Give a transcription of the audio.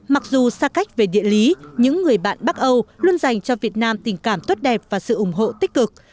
mặc dù xa cách về địa lý những người bạn bắc âu luôn dành cho việt nam tình cảm tốt đẹp và sự ủng hộ tích cực